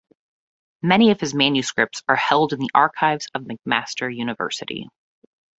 Many of his manuscripts are held in the archives of McMaster University.